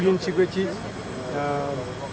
ini sangat integratif